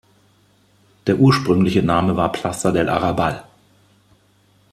Der ursprüngliche Name war "Plaza del Arrabal".